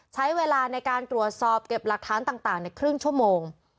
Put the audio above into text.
ใช้เวลาในการตรวจสอบเก็บหลักฐานต่างในครึ่งชั่วโมง